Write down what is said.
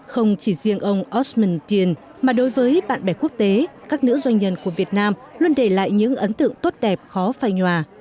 không chỉ riêng ông osmantin mà đối với bạn bè quốc tế các nữ doanh nhân của việt nam luôn để lại những ấn tượng tốt đẹp khó phai nhòa